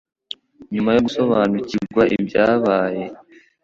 nyuma yo gusobanukirwa ibyabaye